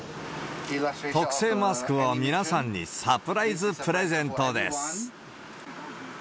特製マスクを皆さんにサプライズプレゼントです。